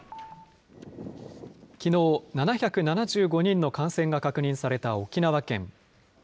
きのう、７７５人の感染が確認された沖縄県。